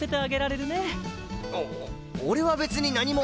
お俺は別に何も。